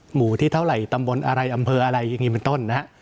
หมู่ที่เท่าไหร่ตำบลอะไรอำเภออะไรอย่างนี้เป็นต้นนะฮะ